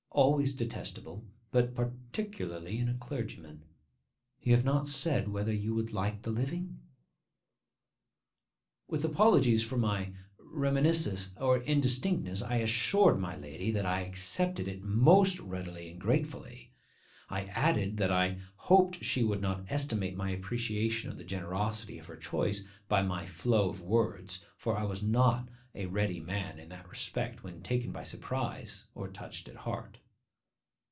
'Always detestable, but particularly in a clergyman. You have not said whether you will like the living?' With apologies for my remissness or indistinctness, I assured my lady that I accepted it most readily and gratefully. I added that I hoped she would not estimate my appreciation of the generosity of her choice by my flow of words; for I was not a ready man in that respect when taken by surprise or touched at heart.